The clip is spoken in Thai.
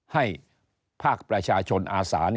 ให้ภาคประชาชนอาสา